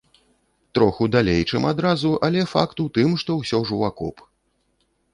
Троху далей, чым адразу, але факт у тым, што ўсё ж у акоп.